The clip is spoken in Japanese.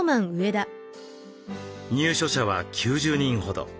入所者は９０人ほど。